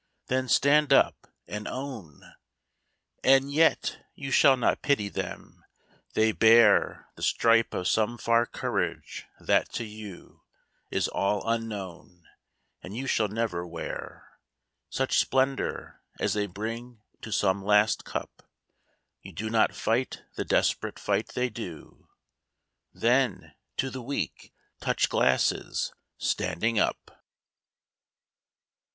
Then stand up and own! And yet you shall not pity them ! They bear The stripe of some far courage that to you Is all unknown — and you shall never wear Such splendor as they bring to some last eup ; You do not fight the desperate fight they do ; Then — ^to the Weak ! Touch glasses ! standing up